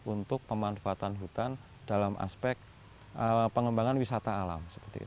untuk pemanfaatan hutan dalam aspek pengembangan wisata alam